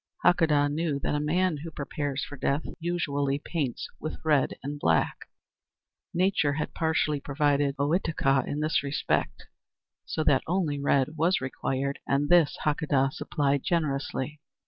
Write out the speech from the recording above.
Hakadah knew that a man who prepares for death usually paints with red and black. Nature had partially provided Ohitika in this respect, so that only red was required and this Hakadah supplied generously.